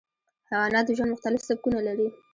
حیوانات د ژوند مختلف سبکونه لري.